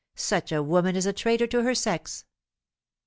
Such a woman is a traitor to her sex."